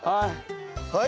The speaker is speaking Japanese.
はい。